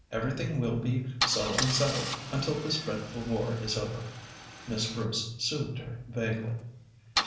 Everything will be so unsettled until this dreadful war is over," Miss Bruce soothed her vaguely.